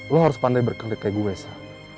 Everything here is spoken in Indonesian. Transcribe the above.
lo harus pandai berkelit kayak gue sa